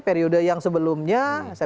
periode yang sebelumnya